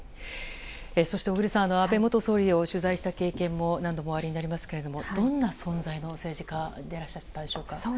そして、小栗さん安倍元総理を取材した経験も何度もおありになりますけれどもどんな存在の政治家でいらっしゃったでしょうか？